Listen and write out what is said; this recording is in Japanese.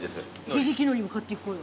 ひじきのりも買っていこうよ。